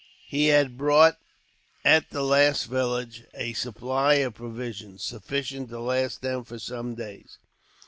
He had bought, at the last village, a supply of provisions, sufficient to last them for some days.